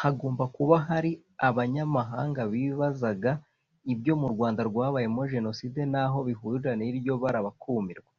Hagomba kuba hari abanyamahanga bibazaga ibyo mu Rwanda rwabayemo Jenoside n’aho bihurira n’iryo bara bakumirwa